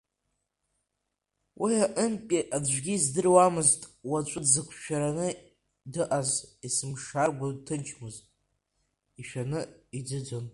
Уи аҟынтәи аӡәгьы издыруамызт уаҵәы дзықәшәараны дыҟаз, сеымша ргәы ҭынчмызт, ишәаны иӡыӡон…